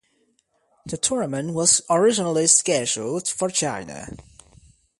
The tournament was originally scheduled for China.